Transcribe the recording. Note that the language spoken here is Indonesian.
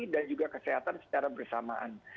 dan juga kesehatan secara bersamaan